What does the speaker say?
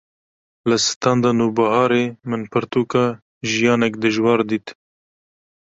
li standa Nûbiharê min pirtûka “Jiyanek Dijwar” dît